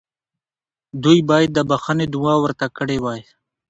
دوی باید د بخښنې دعا ورته کړې وای.